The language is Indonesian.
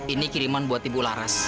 ini kiriman buat ibu laras